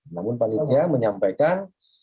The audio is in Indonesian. namun panitia menyampaikan